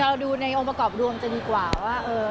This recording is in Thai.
เราดูในองค์ประกอบรวมจะดีกว่าว่า